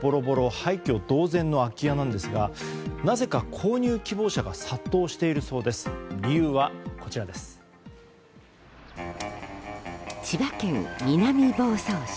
廃虚同然の空き家なんですがなぜか、購入希望者が殺到しているそうです。